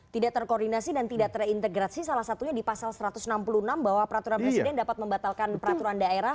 tidak terkoordinasi dan tidak terintegrasi salah satunya di pasal satu ratus enam puluh enam bahwa peraturan presiden dapat membatalkan peraturan daerah